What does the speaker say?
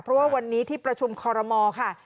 เพราะว่าวันนี้ที่ประชุมคอรมอลค่ะ